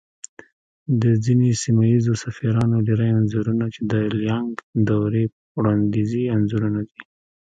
د ځينې سيمه ييزو سفيرانو ډېری انځورنه چې د ليانگ دورې وړانديزي انځورونه دي